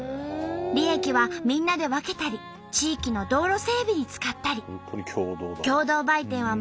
利益はみんなで分けたり地域の道路整備に使ったり。